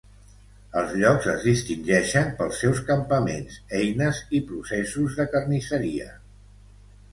Els llocs es distingeixen pels seus campaments, eines i processos de carnisseria.